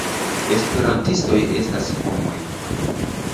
Esperantistoj estas homoj.